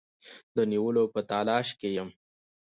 د نیولو په تلاښ کې یم.